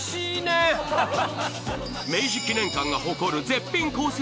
明治記念館が誇る絶品コース